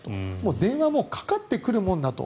電話もかかってくるものだと。